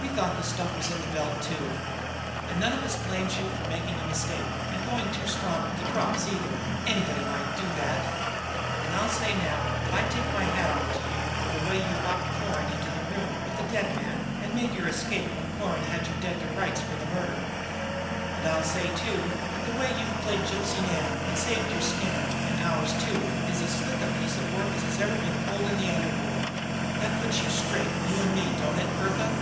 We thought the stuff was in the belt, too. And none of us blames you for making a mistake and going too strong with the drops, either; anybody might do that. And I'll say now that I take my hat off to you for the way you locked Cloran into the room with the dead man, and made your escape when Cloran had you dead to rights for the murder; and I'll say, too, that the way you've played Gypsy Nan and saved your skin, and ours too, is as slick a piece of work as has ever been pulled in the underworld. That puts us straight, you and me, don't it, Bertha?"